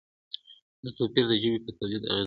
دا توپیر د ژبې په تولید اغېزمن دی.